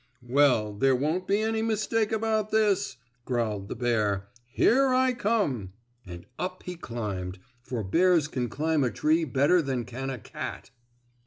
"Well, there won't be any mistake about this!" growled the bear. "Here I come!" And up he climbed, for bears can climb a tree better than can a cat.